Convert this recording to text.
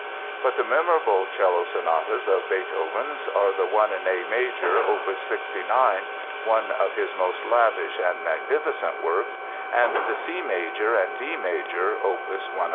But the memorable cello sonatas of Beethoven's are the one in A major, opus 69, one of his most lavish and magnificent works; and the C major and D major, opus 102.